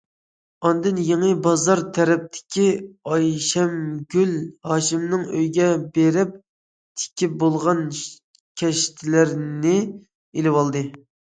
ئاندىن يېڭى بازار تەرەپتىكى ئايشەمگۈل ھاشىمنىڭ ئۆيىگە بېرىپ تىكىپ بولغان كەشتىلەرنى ئېلىۋالدى.